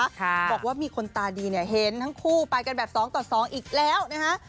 บอกว่ามีคนตาดีเนี่ยเห็นทั้งคู่ไปกันแบบสองต่อสองอีกแล้วนะฮะ